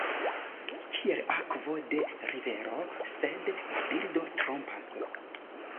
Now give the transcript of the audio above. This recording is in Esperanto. Kiel akvo de l’ rivero – sed la bildo trompas.